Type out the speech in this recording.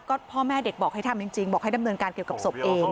ก็พ่อแม่เด็กบอกให้ทำจริงบอกให้ดำเนินการเกี่ยวกับศพเอง